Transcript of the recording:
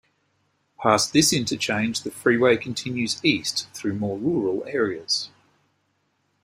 Past this interchange, the freeway continues east through more rural areas.